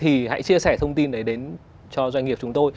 thì hãy chia sẻ thông tin đấy đến cho doanh nghiệp chúng tôi